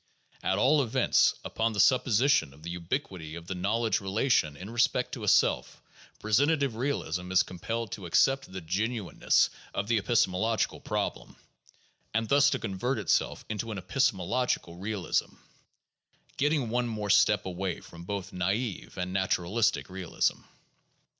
At all events, upon the supposition of the ubiquity of the knowl edge relation in respect to a self, presentative realism is compelled to accept the genuineness of the epistemological problem, and thus to convert itself into an epistemological realism, getting one more step away from both naive and naturalistic realism.